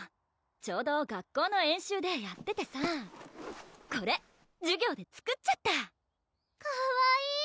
ちょうど学校の演習でやっててさこれ授業で作っちゃったかわいい！